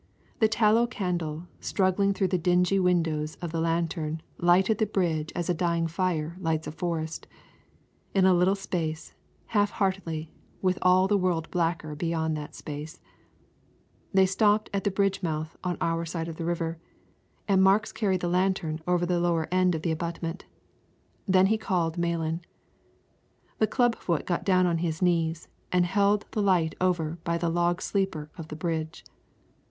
The tallow candle struggling through the dingy windows of the lantern lighted the bridge as a dying fire lights a forest, in a little space, half heartedly, with all the world blacker beyond that space. They stopped at the bridge mouth on our side of the river, and Marks carried the lantern over the lower end of the abutment. Then he called Malan. The clubfoot got down on his knees and held the light over by the log sleeper of the bridge.